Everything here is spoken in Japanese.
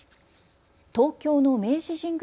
東京の明治神宮